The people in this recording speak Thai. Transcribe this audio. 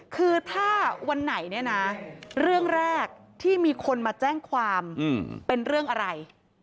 คือถ้าวันไหนเนี่ยนะเรื่องแรกที่มีคนมาแจ้งความเป็นเรื่องอะไร